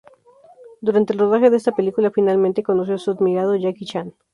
Durante el rodaje de esta película finalmente conoció a su admirado Jackie Chan.